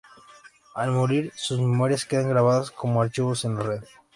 Al morir, sus memorias quedan grabadas como archivos en la red.